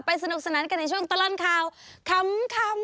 สนุกสนานกันในช่วงตลอดข่าวขำ